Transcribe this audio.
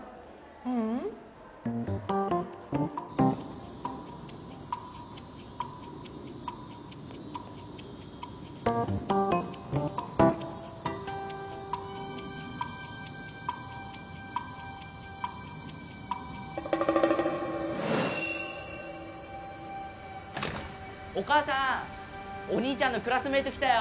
ううんお母さんお兄ちゃんのクラスメイト来たよ